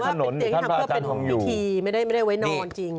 ว่าเป็นเตียงที่ทำเพื่อเป็นพิธีไม่ได้ไว้นอนจริง